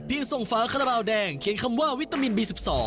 เพียงส่งฝาขนาบราวแดงเขียนคำว่าวิตามินบี๑๒